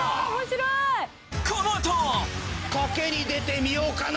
このあと賭けに出てみようかな！